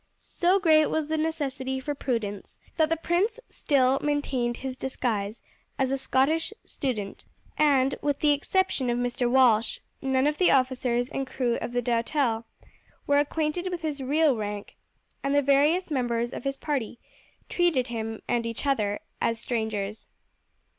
So great was the necessity for prudence that the prince still maintained his disguise as a Scottish student, and, with the exception of Mr. Walsh, none of the officers and crew of the Doutelle were acquainted with his real rank, and the various members of his party treated him and each other as strangers.